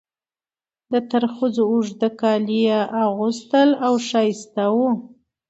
د ترخزو اوږده کالي یې اغوستل او ښایسته وو.